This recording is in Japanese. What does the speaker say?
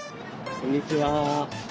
こんにちは。